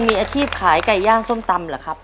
มีอาชีพขายไก่ย่างส้มตำเหรอครับ